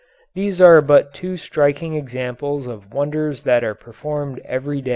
These are but two striking examples of wonders that are performed every day.